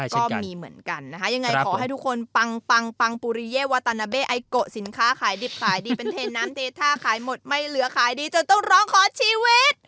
ใส่ดีจะต้องร้องขอชีวิต